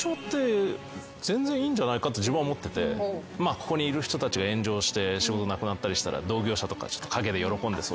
ここにいる人たちが炎上して仕事なくなったりしたら同業者とか陰で喜んでそう。